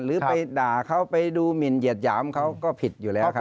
หรือไปด่าเขาไปดูหมินเหยียดหยามเขาก็ผิดอยู่แล้วครับ